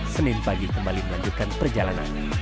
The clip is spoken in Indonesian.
senin pagi kembali melanjutkan perjalanan